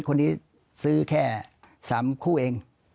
คนนี้ซื้อแค่๓คู่เอง